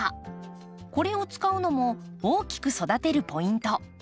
これを使うのも大きく育てるポイント。